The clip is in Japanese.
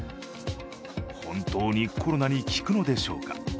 本当にコロナに効くのでしょうか。